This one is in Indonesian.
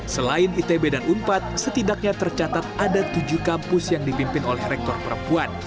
selain itb dan unpad setidaknya tercatat ada tujuh kampus yang dipimpin oleh rektor perempuan